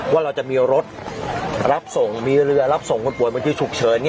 ว่าเราจะมีรถรับส่งมีเรือรับส่งคนป่วยบางทีฉุกเฉิน